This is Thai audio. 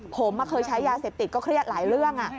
ผมเคยใช้ยาเสพติดก็เครียดหลายเรื่อง